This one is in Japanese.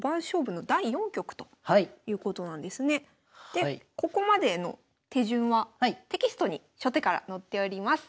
でここまでの手順はテキストに初手から載っております。